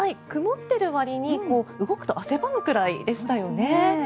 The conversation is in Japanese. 曇っているわりに動くと汗ばむくらいでしたよね。